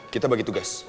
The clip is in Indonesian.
kita bagi tugas